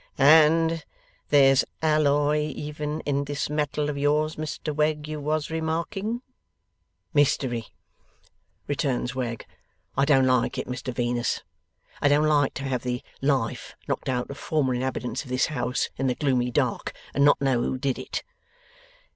'And there's alloy even in this metal of yours, Mr Wegg, you was remarking?' 'Mystery,' returns Wegg. 'I don't like it, Mr Venus. I don't like to have the life knocked out of former inhabitants of this house, in the gloomy dark, and not know who did it.